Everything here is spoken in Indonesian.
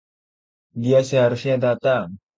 Dia seharusnya datang.